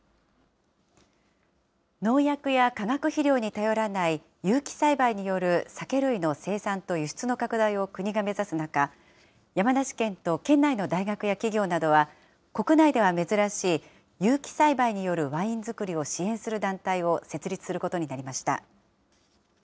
農薬や化学肥料に頼らない有機栽培による酒類の生産と輸出の拡大を国が目指す中、山梨県と県内の大学や企業などは、国内では珍しい有機栽培によるワイン造りを支援する団体を設立することになりました。